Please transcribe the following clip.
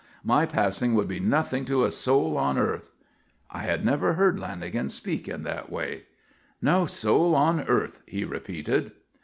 My passing would be nothing to a soul on earth." I had never heard Lanagan speak in that way. "No soul on earth," he repeated.